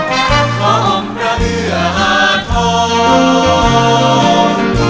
ขออมพระเอืออาทธรรม